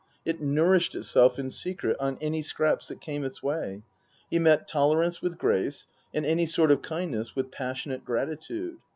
It nourished itself in secret on any scraps that came its way. He met tolerance with grace, and any sort of kindness with passionate gratitude.